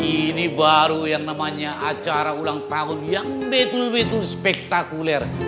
ini baru yang namanya acara ulang tahun yang betul betul spektakuler